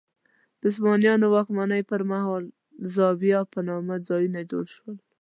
د عثمانیانو واکمنۍ پر مهال زوايا په نامه ځایونه جوړ شول.